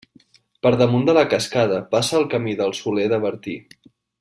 Per damunt de la cascada passa el Camí del Soler de Bertí.